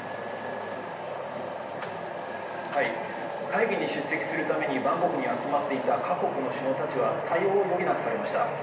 会議に出席するためにバンコクに集まっていた各国の首脳たちは対応を余儀なくされました。